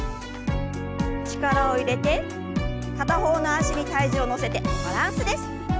力を入れて片方の脚に体重を乗せてバランスです。